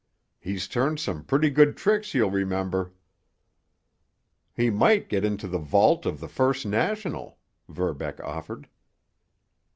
He's turned some pretty good tricks, you'll remember." "He might get into the vault of the First National," Verbeck offered.